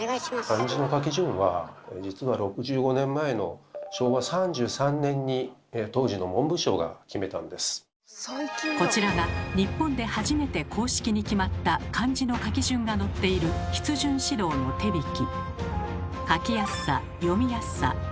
漢字の書き順は実は６５年前のこちらが日本で初めて公式に決まった漢字の書き順が載っている「筆順指導の手びき」。